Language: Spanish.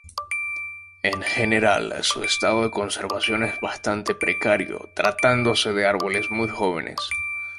En general, su estado de conservación es bastante precario, tratándose de árboles muy jóvenes.